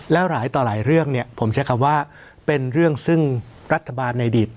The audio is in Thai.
แล้วหลายต่อหลายเรื่องเนี่ยผมใช้คำว่าเป็นเรื่องซึ่งรัฐบาลในอดีต